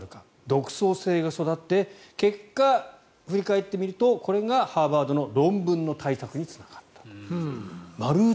独創性が育って結果、振り返ってみるとこれがハーバードの論文の対策につながったという。